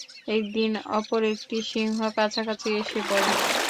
একদিন অপর একটি সিংহ কাছাকাছি এসে পড়ে।